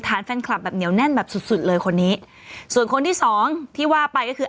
แฟนคลับแบบเหนียวแน่นแบบสุดสุดเลยคนนี้ส่วนคนที่สองที่ว่าไปก็คือ